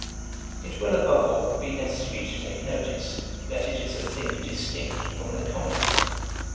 ] 'It will, above all, be necessary to take notice, that it is a thing distinct from the Commentary.